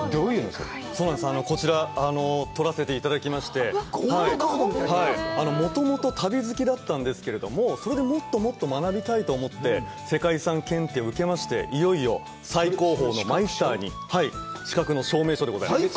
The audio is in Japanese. それこちら取らせて頂きましてもともと旅好きだったんですけれどもそれでもっともっと学びたいと思って世界遺産検定を受けましていよいよ最高峰のマイスターにそれ資格はい資格の証明書でございます